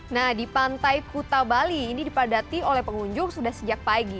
nah di pantai kuta bali ini dipadati oleh pengunjung sudah sejak pagi